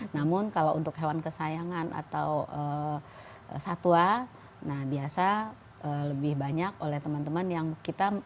namun kalau untuk hewan kesayangan atau satwa nah biasa lebih banyak oleh teman teman yang kita